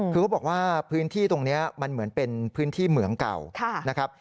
คือเขาบอกว่าพื้นที่ตรงนี้มันเหมือนเป็นพื้นที่เหมืองเก่านะครับ